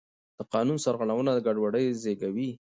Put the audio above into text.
د قانون سرغړونه ګډوډي زېږوي